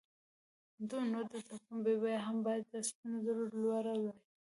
نو د پنبې بیه هم باید له سپینو زرو لوړه وای.